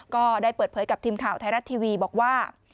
ก็ได้เปิดเผยกับทีมข่าวไทยรัฐทีวีบอกว่า